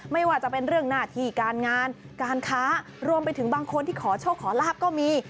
ไม่ว่าจะเป็นเรื่องหน้าที่การงานการค้ารวมไปถึงบางคนที่ขอโชคขอลาบก็มี